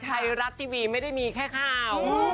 ไทยรัฐทีวีไม่ได้มีแค่ข่าว